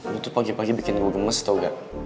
lo tuh pagi pagi bikin gue gemes tau gak